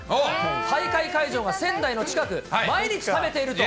大会会場が仙台の近く、毎日食べていると。